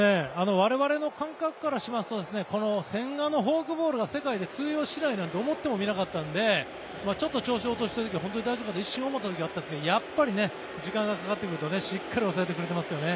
我々の感覚からしますと千賀のフォークボールが世界で通用しないなんて思ってもみなかったのでちょっと調子を落としている時は本当に大丈夫かと一瞬思った時もありましたがやっぱり時間がかかってくるとしっかり抑えてくれてますよね。